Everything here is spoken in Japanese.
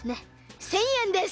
１，０００えんです。